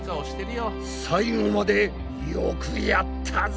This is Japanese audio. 最後までよくやったぞ！